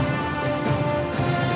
nhiệt độ ngày đêm